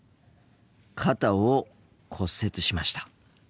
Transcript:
肩を骨折しました。